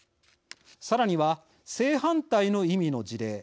さらには正反対の意味の事例。